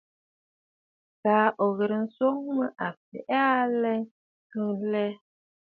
Baa ò ghɨ̀rə nswoŋ mə o fɛ̀ʼ̀ɛ̀ aa a lɛ kə lɛ?